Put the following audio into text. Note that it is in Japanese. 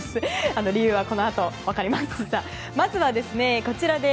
理由はこのあと分かります。